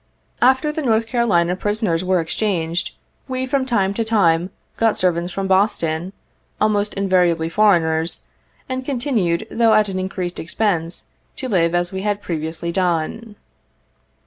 After the North Carolina prisoners were exchanged, we from time to time, got servants from Boston, almost invariably foreigners, and continued, though at an increased expense, to live as we had previously done.